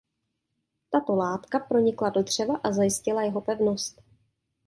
Tato látka pronikla do dřeva a zajistila jeho pevnost.